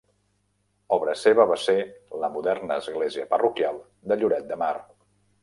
Obra seva va ser la moderna església Parroquial de Lloret de Mar.